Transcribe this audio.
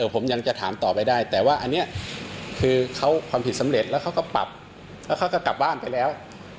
ผมยังจะถามต่อไปได้แต่ว่าอันนี้คือเขาความผิดสำเร็จแล้วเขาก็ปรับแล้วเขาก็กลับบ้านไปแล้ว